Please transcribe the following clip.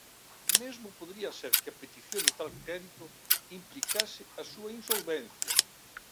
Mesmo podería ser que a petición de tal crédito implicase a súa insolvencia.